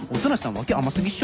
脇甘過ぎっしょ。